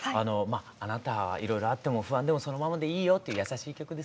あなたはいろいろあっても不安でもそのままでいいよっていう優しい曲ですね。